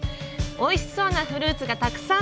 おいしそうなフルーツがたくさん！